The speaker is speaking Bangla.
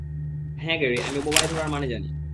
হ্যাঁ, গ্যারি, আমি বোবায় ধরার মানে জানি।